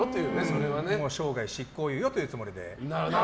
生涯、執行猶予というつもりで。